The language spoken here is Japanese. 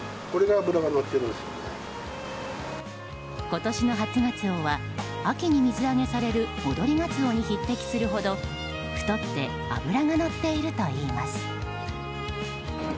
今年の初ガツオは秋に水揚げされる戻りガツオに匹敵するほど太って脂がのっているといいます。